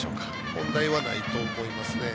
問題はないと思いますね。